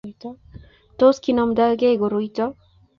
tos kinomtokei koroyoto?